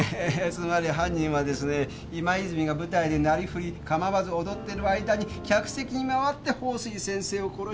つまり犯人はですね今泉が舞台でなりふり構わず踊ってる間に客席に回って鳳水先生を殺したんです。